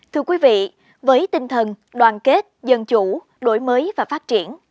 thưa quý vị với tinh thần đoàn kết dân chủ đổi mới và phát triển